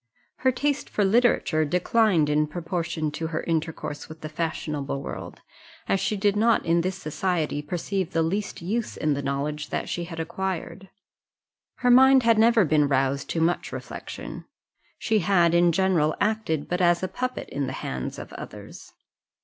Her taste for literature declined in proportion to her intercourse with the fashionable world, as she did not in this society perceive the least use in the knowledge that she had acquired. Her mind had never been roused to much reflection; she had in general acted but as a puppet in the hands of others.